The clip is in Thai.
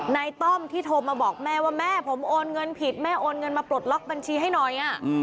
ต้อมที่โทรมาบอกแม่ว่าแม่ผมโอนเงินผิดแม่โอนเงินมาปลดล็อกบัญชีให้หน่อย